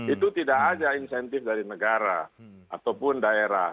itu tidak ada insentif dari negara ataupun daerah